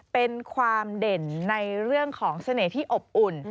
เป็นความเด่นในเรื่องของเสน่ห์ที่อบอุ่น